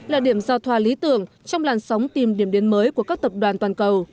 là điểm giao thoa lý tưởng trong làn sóng tìm điểm đến mới của các tập đoàn toàn cầu